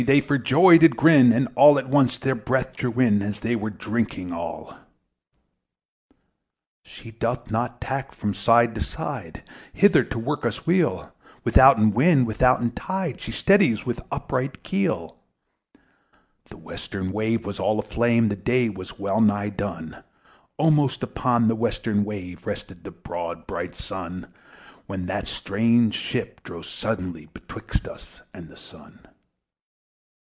they for joy did grin, And all at once their breath drew in, As they were drinking all. See! see! (I cried) she tacks no more! Hither to work us weal; Without a breeze, without a tide, She steadies with upright keel! The western wave was all a flame The day was well nigh done! Almost upon the western wave Rested the broad bright Sun; When that strange shape drove suddenly Betwixt us and the Sun.